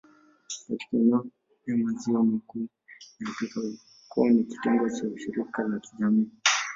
Katika eneo la Maziwa Makuu ya Afrika, ukoo ni kitengo cha shirika la kijamii.